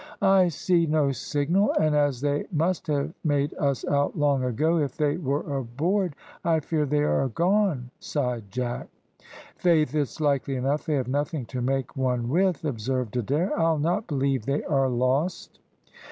"I see no signal, and as they must have made us out long ago if they were aboard I fear they are gone," sighed Jack. "Faith, it's likely enough they have nothing to make one with," observed Adair. "I'll not believe they are lost."